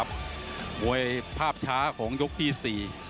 โบยภาพช้าของยกที่สี่